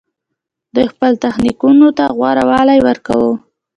دوی خپل تخنیکونو ته غوره والی ورکاوه